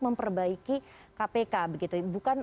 memperbaiki kpk bukan